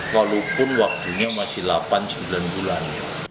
walaupun waktunya masih delapan sembilan bulan